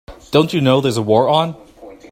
Don't you know there's a war on?